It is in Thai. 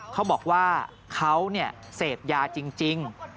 เขาบอกว่าเขาเสพยาจริง